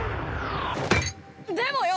でもよ！